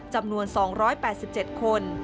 จำนวน๒๘๗คน